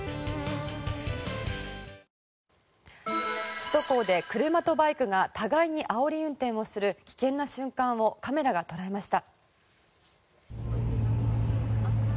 首都高で車とバイクが互いにあおり運転をする危険な瞬間をカメラが捉えました。